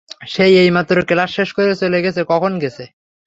সে এইমাত্র ক্লাস শেষ করে চলে গেছে কখন গেছে?